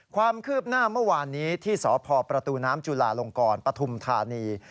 ความคืบหน้าเมื่อวานนี้ที่สพประตูน้ำจุลาลงกรปฐุมธานี